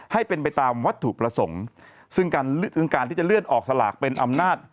ให้เป็นไปตามวัตถุประสงค์ซึ่งการที่จะเลื่อนออกสลากเป็นอำนาจ